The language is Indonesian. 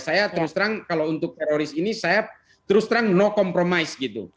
saya terus terang kalau untuk teroris ini saya terus terang no compromise gitu